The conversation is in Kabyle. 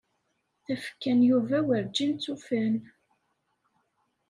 Tafekka n Yuba werǧin ttufan.